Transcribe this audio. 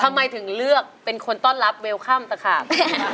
ทำไมถึงเลือกเป็นคนต้อนรับเวลค่ำตะขาบ